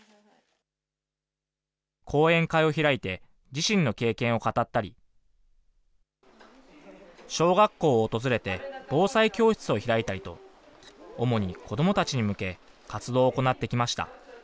講演会を開いて、自身の経験を語ったり、小学校を訪れて防災教室を開いたりと、主に子どもたちに向け、活動を行ってきました。